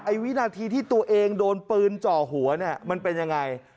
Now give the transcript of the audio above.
วินาทีที่ตัวเองโดนปืนจ่อหัวเนี่ยมันเป็นยังไง